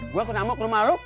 gue ke namo ke rumah lu